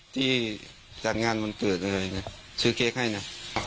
ที่จัดงานวันเกิดอะไรนะซื้อเค้กให้นะ